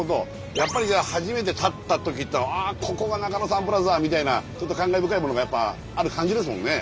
やっぱりじゃあ初めて立った時って「あここが中野サンプラザ」みたいなちょっと感慨深いものがやっぱある感じですもんね。